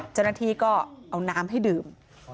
จรงนตรีก็เอาน้ำให้ดื่ม